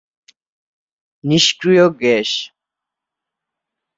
নিষ্ক্রিয় গ্যাস।